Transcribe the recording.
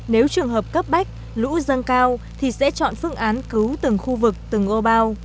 nếu trường hợp cấp bách lũ dâng cao thì sẽ chọn phương án cứu từng khu vực từng ô bao